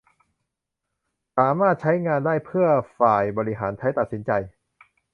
สามารถใช้งานได้เพื่อฝ่ายบริหารใช้ตัดสินใจ